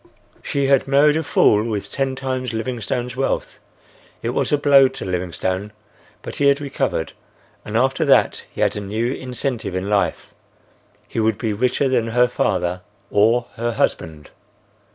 She had married a fool with ten times Livingstone's wealth. It was a blow to Livingstone, but he had recovered, and after that he had a new incentive in life; he would be richer than her father or her husband.